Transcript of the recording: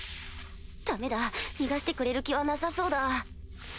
ダメだ逃がしてくれる気はなさそうだ。